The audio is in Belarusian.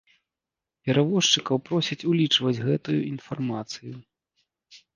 Перавозчыкаў просяць улічваць гэтую інфармацыю.